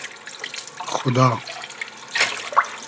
خودا